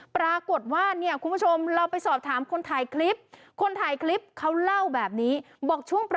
ปรากฏว่าเนี่ยคุณผู้ชมเราไปสอบถามคนถ่ายคลิปคนถ่ายคลิปเขาเล่าแบบนี้บอกช่วง